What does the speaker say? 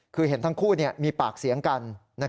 คือเห็นทั้งคู่มีปากเสียงกัน